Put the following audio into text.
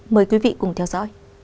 mời quý vị cùng theo dõi